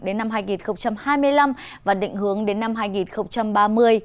đến năm hai nghìn hai mươi năm và định hướng đến năm hai nghìn ba mươi